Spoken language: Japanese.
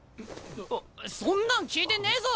そんなん聞いてねえぞ！